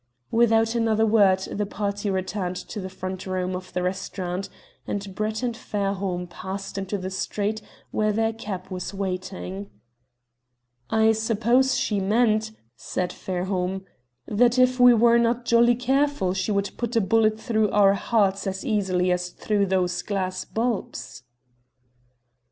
Without another word the party returned to the front room of the restaurant, and Brett and Fairholme passed into the street where their cab was waiting. "I suppose she meant," said Fairholme "that if we were not jolly careful she would put a bullet through our hearts as easily as through those glass bulbs."